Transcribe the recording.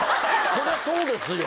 「そりゃそうですよ！」。